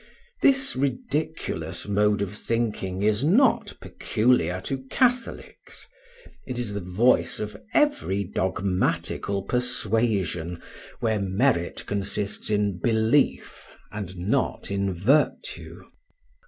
This ridiculous mode of thinking is not peculiar to Catholics; it is the voice of every dogmatical persuasion where merit consists in belief, and not in virtue.